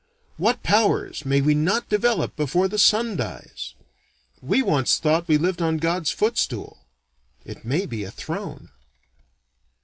What powers may we not develop before the Sun dies! We once thought we lived on God's footstool: it may be a throne.